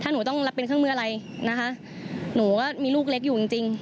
หนูต้องรับเป็นเครื่องมืออะไรนะคะหนูก็มีลูกเล็กอยู่จริงจริง